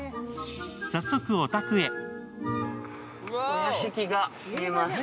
早速、お宅へ。